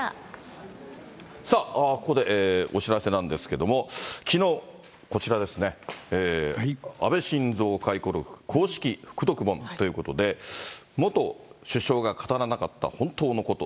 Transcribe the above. さあ、ここでお知らせなんですけれども、きのう、こちらですね、安倍晋三回顧録公式副読本ということで、元首相が語らなかった本当のこと。